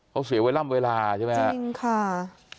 เขาเสียเวลาใช่ไหมฮะจริงค่ะ